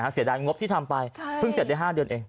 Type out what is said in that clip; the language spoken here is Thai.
เสียดายงบที่ทำไปเพิ่งเสร็จได้๕เดือนเอง